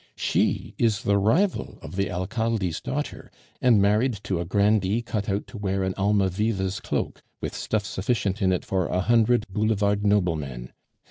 She is the rival of the Alcalde's daughter, and married to a grandee cut out to wear an Almaviva's cloak, with stuff sufficient in it for a hundred boulevard noblemen.